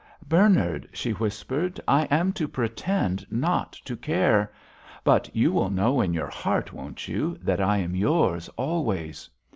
Bernard," she whispered, "I am to pretend not to care. But you will know in your heart, won't you, that I am yours always?"